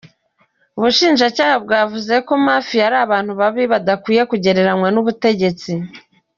Ubushinjacyaha bwavuze ko mafia ari abantu babi badakwiye kugereranywa n’ubutegetsi.